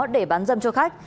để bán dâm cho khách